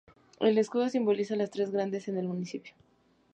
El escudo simboliza las tres grandes en el municipio.